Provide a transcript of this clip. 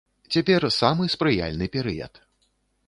Цяпер самы спрыяльны перыяд.